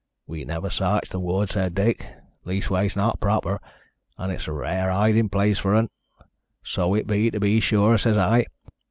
'We never s'arched th' wood,' says Dick, 'leastways, not proper, an' it's a rare hidin' place for un.' 'So it be, to be sure,' says I.